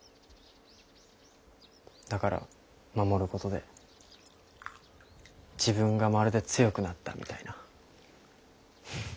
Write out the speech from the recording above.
だから守ることで自分がまるで強くなったみたいな。